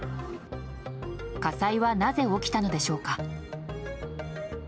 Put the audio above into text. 火災は、なぜ起きたのでしょうか。